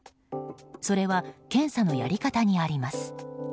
それは検査のやり方にあります。